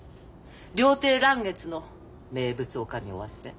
料亭嵐月の名物女将をお忘れ？